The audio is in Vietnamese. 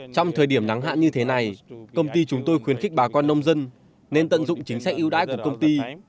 trong thời điểm nắng hạn như thế này công ty chúng tôi khuyến khích bà con nông dân nên tận dụng chính sách ưu đái của công ty để chăm sóc cây mía